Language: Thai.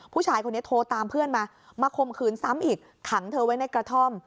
ผู้ชายคนนี้โทรตามเพื่อนมามาข่มขืนซ้ำอีกขังเธอไว้ในกระท่อม